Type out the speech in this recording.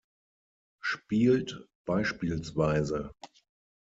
Spielt bspw.